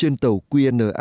rất là mừng